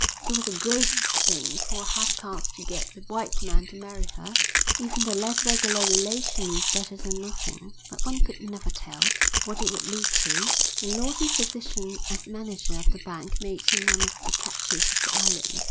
It was a great thing for a half caste to get a white man to marry her, even the less regular relation was better than nothing, but one could never tell what it would lead to; and Lawson's position as manager of the bank made him one of the catches of the island.